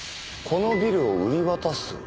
このビルを売り渡す？